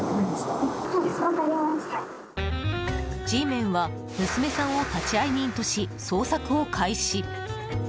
Ｇメンは娘さんを立ち会い人とし捜索を開始。